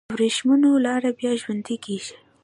د وریښمو لاره بیا ژوندی کیږي؟